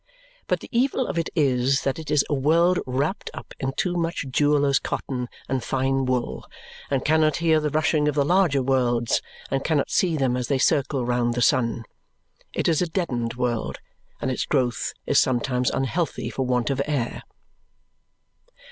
But the evil of it is that it is a world wrapped up in too much jeweller's cotton and fine wool, and cannot hear the rushing of the larger worlds, and cannot see them as they circle round the sun. It is a deadened world, and its growth is sometimes unhealthy for want of air.